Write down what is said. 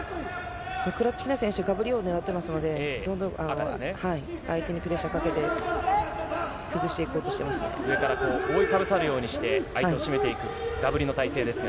クラチキナ選手、がぶりをねらってますので、どんどん相手にプレッシャーをか上から覆いかぶさるようにして、相手を締めていく、がぶりの体勢ですが。